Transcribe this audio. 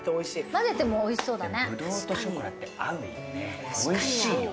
まぜてもおいしそうだね。